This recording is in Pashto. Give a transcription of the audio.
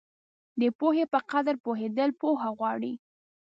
د پوهې په قدر پوهېدل پوهه غواړي.